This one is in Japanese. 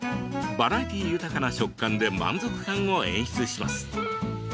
バラエティ−豊かな食感で満足感を演出します。